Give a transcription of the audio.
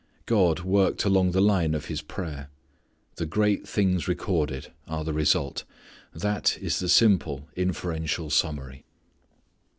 God worked along the line of his prayer. The great things recorded are the result. That is the simple inferential summary.